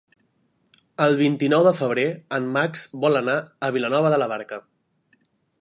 El vint-i-nou de febrer en Max vol anar a Vilanova de la Barca.